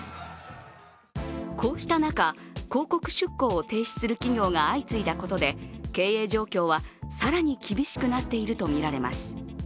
こうした中、広告出稿を停止する企業が相次いだことで経営状況は更に厳しくなっているとみられます。